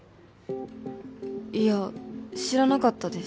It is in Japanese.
いや知らなかったです